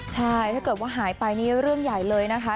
ใช่ถ้าเกิดว่าหายไปนี่เรื่องใหญ่เลยนะคะ